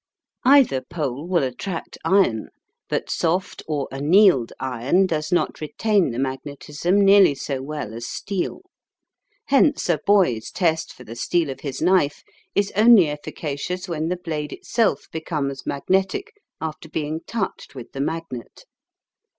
Either pole will attract iron, but soft or annealed iron does not retain the magnetism nearly so well as steel. Hence a boy's test for the steel of his knife is only efficacious when the blade itself becomes magnetic after being touched with the magnet.